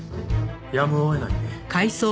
やむを得ないね。